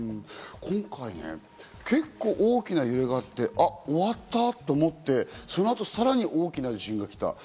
今回ね、結構、大きな揺れがあって、あっ、終わったと思って、そのあとさらに大きな地震が来た。